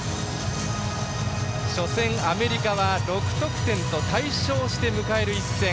初戦、アメリカは６得点と大勝して迎える一戦。